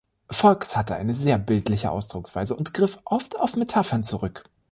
Fox hatte eine sehr bildliche Ausdrucksweise, und griff oft auf Metaphern zurück.